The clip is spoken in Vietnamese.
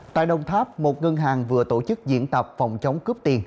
tại đồng tháp một ngân hàng vừa tổ chức diễn tập phòng chống cướp tiền